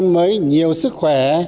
một năm mới nhiều sức khỏe